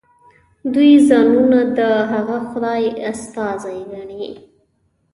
دوی ځانونه د هغه خدای استازي ګڼي.